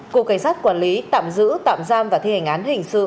cục cảnh sát quản lý tạm giữ tạm giam và thi hành án hình sự